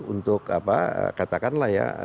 untuk katakanlah ya